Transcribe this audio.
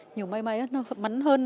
nhiều may mắn hơn